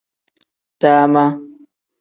Dama.